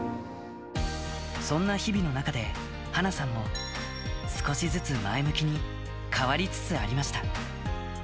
そんな日々の中で、華さんも少しずつ前向きに変わりつつありました。